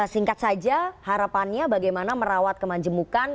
singkat saja harapannya bagaimana merawat kemanjemukan